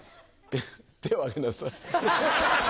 手を挙げなさい。